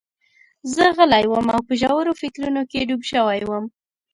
زه غلی وم او په ژورو فکرونو کې ډوب شوی وم